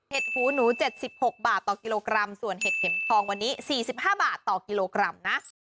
หูหนู๗๖บาทต่อกิโลกรัมส่วนเห็ดเข็มทองวันนี้๔๕บาทต่อกิโลกรัมนะ